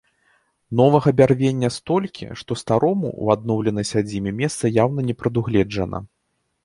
Новага бярвення столькі, што старому ў адноўленай сядзібе месца яўна не прадугледжана.